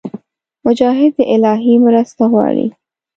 مجاهد د الهي مرسته غواړي.